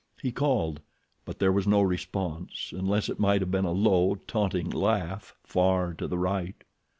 He called; but there was no response, unless it might have been a low, taunting laugh far to the right.